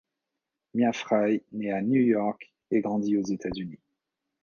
Mia Frye nait à New York et grandit aux Etats-Unis.